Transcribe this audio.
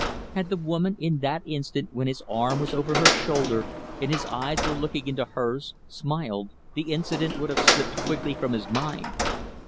Had the woman in that instant when his arm was over her shoulder and his eyes were looking into hers smiled, the incident would have slipped quickly from his mind.